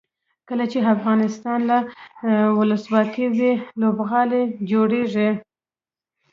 کله چې افغانستان کې ولسواکي وي لوبغالي جوړیږي.